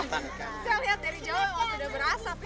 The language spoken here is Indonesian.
saya lihat dari jawa memang sudah berasap ya